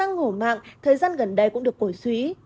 trong thời gian khổ mạng thời gian gần đây cũng được bổi suý